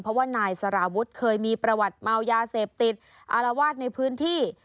เพราะว่านายสารวุฒิเคยมีประวัติเมายาเสพติดอารวาสในพื้นที่